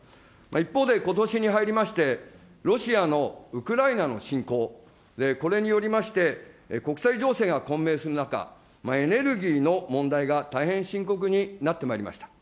一方でことしに入りまして、ロシアのウクライナの侵攻、これによりまして、国際情勢が混迷する中、エネルギーの問題が大変深刻になってまいりました。